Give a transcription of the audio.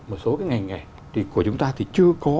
một số cái ngành nghề thì của chúng ta thì chưa có